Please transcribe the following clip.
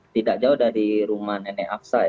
tidak jauh dari rumah nenek afsai